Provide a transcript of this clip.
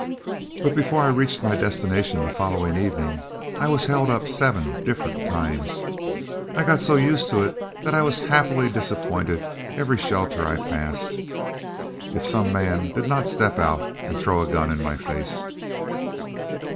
Before I reached my destination the following evening, I was held up seven different times. I got so used to it that I was happily disappointed every shelter I passed, if some man did not step out and throw a gun in my face.